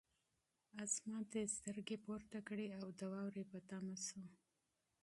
اسمان ته یې سترګې پورته کړې او د واورې په تمه شو.